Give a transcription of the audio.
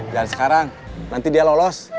sekarang nanti dia lolos